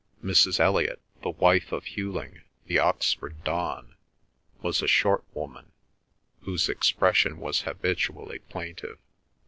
Mrs. Elliot, the wife of Hughling the Oxford Don, was a short woman, whose expression was habitually plaintive.